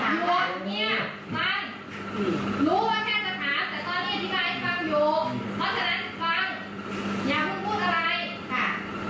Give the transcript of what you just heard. กลับตรงนี้ฟังรู้ว่าเค้าจะถามแต่ะตอนนี้อธิภัยฟังอยู่